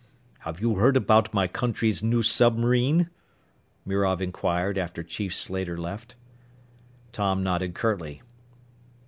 "Have you heard about my country's new submarine?" Mirov inquired after Chief Slater left. Tom nodded curtly.